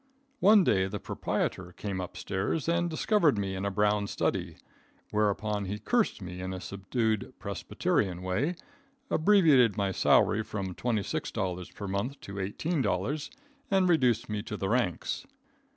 One day the proprietor came up stairs and discovered me in a brown study, whereupon he cursed me in a subdued Presbyterian way, abbreviated my salary from $26 per month to $18 and reduced me to the ranks.